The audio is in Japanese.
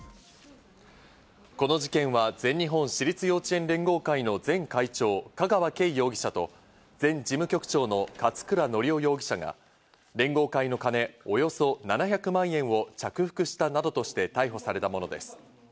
この事件は全日本私立幼稚園連合会の前会長・香川敬容疑者と、前事務局長の勝倉教雄容疑者が連合会のカネ、およそ７００万円を着服したなどとして逮捕されたものです。